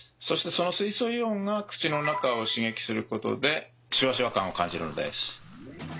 そしてその水素イオンが口の中を刺激することでシュワシュワ感を感じるんです。